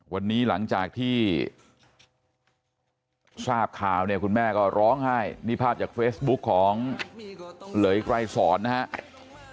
วันนี้หลังจากที่ทราบข่าวเนี่ยคุณแม่ก็ร้องไห้นี่ภาพจากเฟซบุ๊กของเหลยไกรสอนนะครับ